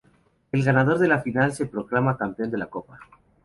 El ganador de la final se proclama campeón de la copa.